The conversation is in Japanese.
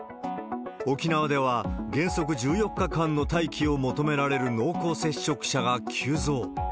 沖縄では原則１４日間の待機を求められる濃厚接触者が急増。